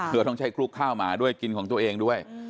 เพื่อต้องใช้คลุกข้าวหมาด้วยกินของตัวเองด้วย